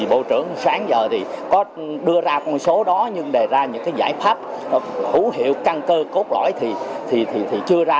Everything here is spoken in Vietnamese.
bộ trưởng sáng giờ có đưa ra con số đó nhưng đề ra những giải pháp hữu hiệu căn cơ cốt lõi thì chưa ra